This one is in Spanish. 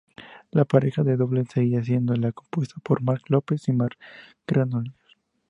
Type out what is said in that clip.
La pareja de dobles seguía siendo la compuesta por Marc López y Marcel Granollers.